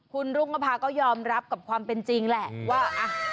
คุณรุ่งนภาก็ยอมรับกับความเป็นจริงแหละว่า